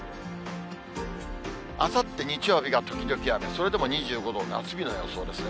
あさって日曜日が時々雨、それでも２５度、夏日の予想ですね。